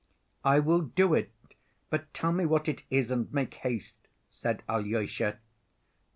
"I will do it, but tell me what it is, and make haste," said Alyosha.